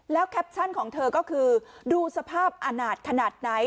แคปชั่นของเธอก็คือดูสภาพอาณาจขนาดไหน